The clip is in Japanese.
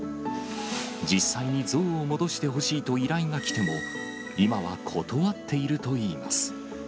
実際にゾウを戻してほしいと依頼が来ても、今は断っているといいます。